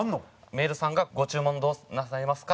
メイドさんがご注文どうなさいますか？